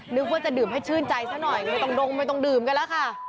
นึกว่าจะดื่มให้ชื่นใจซะหน่อยไม่ต้องดงไม่ต้องดื่มกันแล้วค่ะ